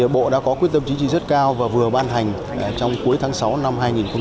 bộ đã có quyết tâm chí trí rất cao và vừa ban hành trong cuối tháng sáu năm hai nghìn một mươi tám